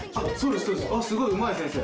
すごい、うまい先生。